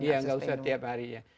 iya nggak usah tiap hari ya